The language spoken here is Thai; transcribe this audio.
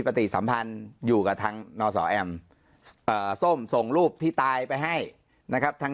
สัมพันธ์อยู่กับทางนสแอมส้มส่งรูปที่ตายไปให้นะครับทาง